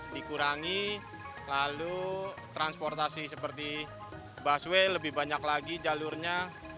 dikurangi lalu transportasi seperti busway lebih banyak lagi jalurnya